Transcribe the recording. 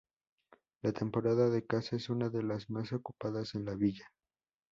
La Temporada de caza es una de las más ocupadas en la villa.